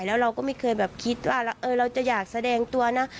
แล้วเราก็ไม่เคยแบบคิดว่าเราจะอยากแสดงตัวนะ